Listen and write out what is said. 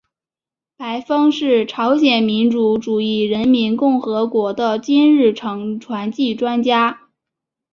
白峰是朝鲜民主主义人民共和国的金日成传记作家。